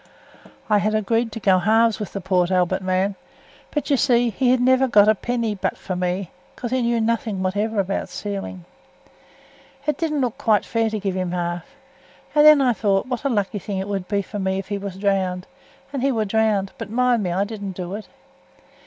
I had agreed to go halves with th' Port Albert man, but, you see, he'd ha' never gotten a penny but for me, because he knew nothing whatever about sealing. It didn't look quite fair to give him half; and then I thowt what a lucky thing it would be for me if he were drowned; and he was drowned, but mind you, I didn't do it.